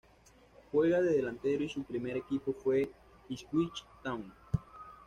Juega de delantero y su primer equipo fue Ipswich Town.